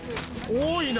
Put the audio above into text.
多いな！